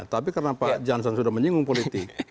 tapi karena pak jansen sudah menyinggung politik